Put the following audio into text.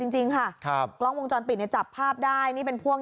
ชนสิคุณผู้ชม